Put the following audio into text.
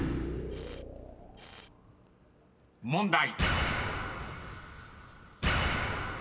［問題］